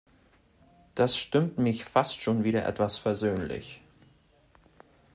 Das stimmt mich fast schon wieder etwas versöhnlich.